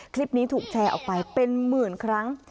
คลิปนี้ถูกแชร์ออกไปเป็นหมื่นครั้ง